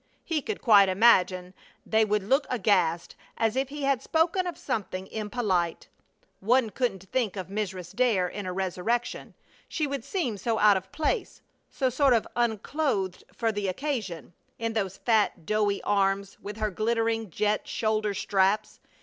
He could quite imagine they would look aghast as if he had spoken of something impolite. One couldn't think of Mrs. Dare in a resurrection, she would seem so out of place, so sort of unclothed for the occasion, in those fat, doughy arms with her glittering jet shoulder straps.